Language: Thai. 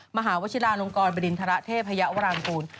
มหาวชิลาลงกรบรินทะละเทพพระเยาะวรรณกูล